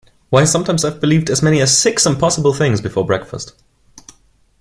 Why, sometimes I’ve believed as many as six impossible things before breakfast.